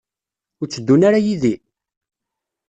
Ur tteddun ara yid-i?